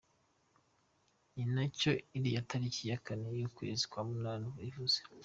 Ni nacyo iriya tariki ya kane y’ukwezi kwa munani ivuze.